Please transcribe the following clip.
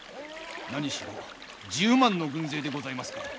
何しろ１０万の軍勢でございますから。